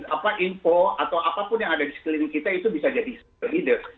apa info atau apapun yang ada di sekeliling kita itu bisa jadi leader